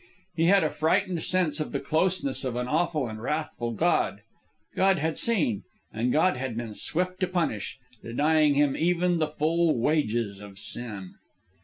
He had a frightened sense of the closeness of an awful and wrathful God. God had seen, and God had been swift to punish, denying him even the full wages of sin.